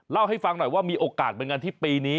เล่าให้ฟังหน่อยว่ามีโอกาสเหมือนกันที่ปีนี้